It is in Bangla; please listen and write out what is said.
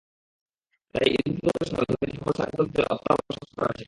তাই ঈদুল ফিতরের সময় ধনীদের ওপর সাদাকাতুল ফিতর অত্যাবশ্যক করা হয়েছে।